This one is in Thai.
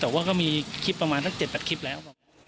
แต่มีคริปประมาณ๗๘คริปแล้ว